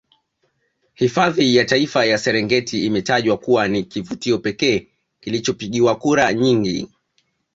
Hifadhi ya Taifa ya Serengeti imetajwa kuwa ni kivutio pekee kilichopigiwa kura nyingi